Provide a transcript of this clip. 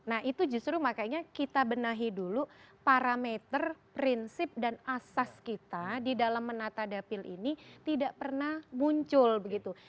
nah itu justru makanya kita benahi dulu parameter prinsip dan asas kita di dalam menata dapil ini tidak pernah muncul begitu